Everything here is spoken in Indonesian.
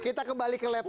kita kembali ke laptop